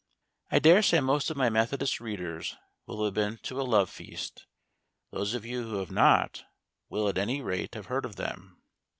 I dare say most of my Methodist readers will have been to a love feast; those of you who have not, will at any rate have heard of them.